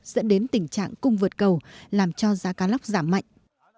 dẫn đến tình trạng cung vượt cầu làm cho giá cá lóc giảm mạnh